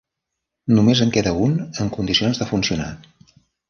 Només en queda un en condicions de funcionar.